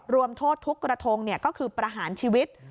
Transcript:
รวมโทษทุกกระทงก็คือประหารชีวิต